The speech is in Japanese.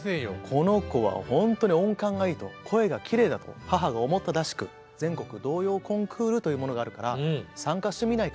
この子はほんとに音感がいいと声がきれいだと母が思ったらしく全国童謡コンクールというものがあるから参加してみないかと。